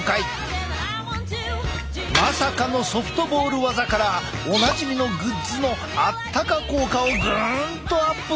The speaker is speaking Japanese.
まさかのソフトボール技からおなじみのグッズのあったか効果をグンとアップさせる秘けつまで！